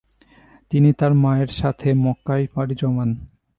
তিনি তাঁর মায়ের সাথে মক্কায় পাড়ি জমান ।